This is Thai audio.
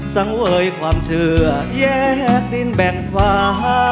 สังเวยความเชื่อแยกดินแบ่งฟ้า